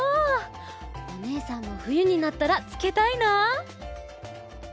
おねえさんもふゆになったらつけたいな！